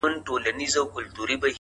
هر منزل د نوې موخې زېری راوړي’